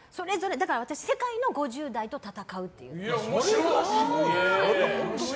私は世界の５０代と戦うっていう。